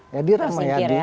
jadi ramai ya